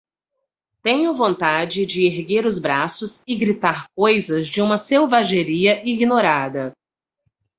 Tenho vontade de erguer os braços e gritar coisas de uma selvageria ignorada